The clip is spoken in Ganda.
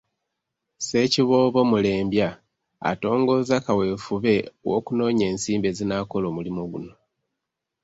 Ssekiboobo Mulembya atongoza kaweefube w'okunoonya ensimbi ezinaakola omulimu guno.